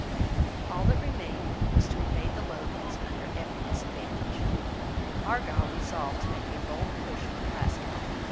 All that remained was to invade the Lowlands under every disadvantage. Argyle resolved to make a bold push for Glasgow.